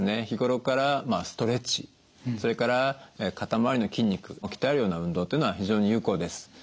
日頃からストレッチそれから肩周りの筋肉を鍛えるような運動というのは非常に有効です。